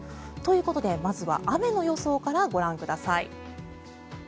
ということでまずは雨の予想からご覧ください。